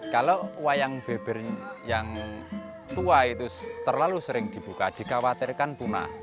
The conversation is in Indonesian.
kalau wayang beber yang tua itu terlalu sering dibuka dikhawatirkan punah